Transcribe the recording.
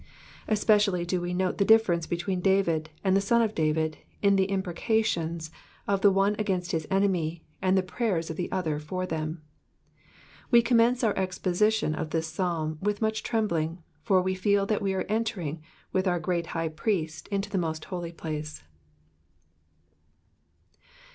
EspedaUy do we note the difference between David and the Son of David vi the imprecations of the one against his enemies, and the prayers of the other for them. We commence mir exposition of this Psalm with much trembling, for we feel that we are entering wiUi our Great High Priest into the most holy place.